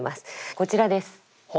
こちらです。